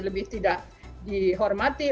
lebih tidak dihormati